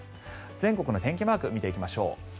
全国の天気マークを見ていきましょう。